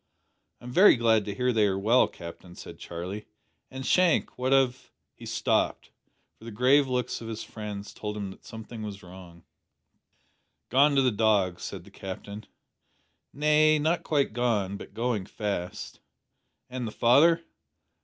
"I'm very glad to hear they are well, Captain," said Charlie; "and, Shank, what of " He stopped, for the grave looks of his friends told him that something was wrong. "Gone to the dogs," said the Captain. "Nay, not quite gone but going fast." "And the father?"